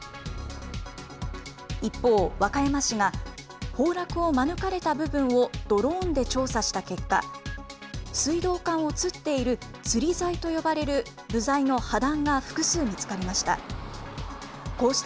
一方、和歌山市が、崩落を免れた部分をドローンで調査した結果、水道管をつっているつり材と呼ばれる部材の破断が複数見つかりました。